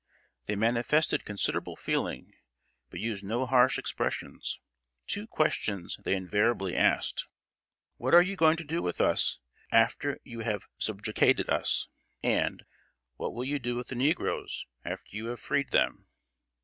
They manifested considerable feeling, but used no harsh expressions. Two questions they invariably asked: "What are you going to do with us, after you have subjugated us?" and, "What will you do with the negroes, after you have freed them?"